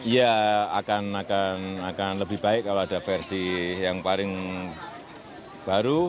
ya akan lebih baik kalau ada versi yang paling baru